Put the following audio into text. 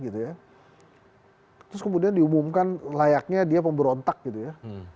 terus kemudian diumumkan layaknya dia pemberontak gitu ya